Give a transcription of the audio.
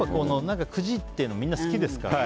くじっていうのみんな好きですからね。